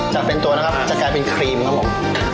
จะเป็นตัวนะครับจะกลายเป็นครีมครับผม